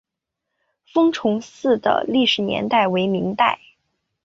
封崇寺的历史年代为明代。